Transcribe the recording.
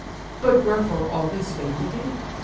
—But wherefore all this vain debate?